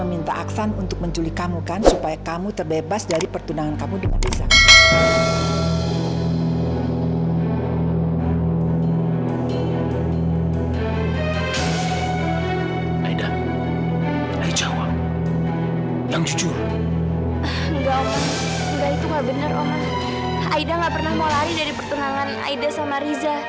aida gak pernah mau lari dari pertengangan aida sama riza